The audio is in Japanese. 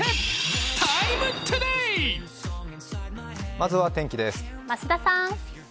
まずは天気です。